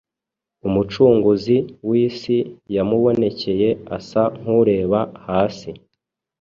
Umucunguzi w’isi yamubonekeye asa nk’ureba hasi